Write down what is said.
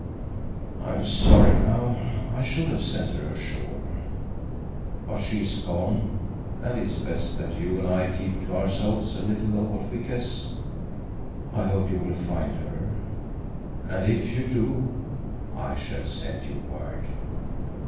I'm sorry now. I should have sent her ashore. But she is gone, and it is best that you and I keep to ourselves a little of what we guess. I hope you will find her, and if you do—" "I shall send you word."